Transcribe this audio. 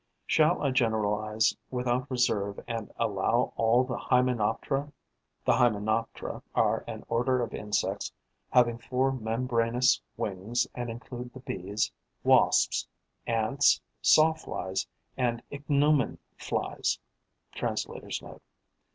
Shall I generalize without reserve and allow all the Hymenoptera (The Hymenoptera are an order of insects having four membranous wings and include the Bees, Wasps, Ants, Saw flies and Ichneumon flies. Translator's Note.)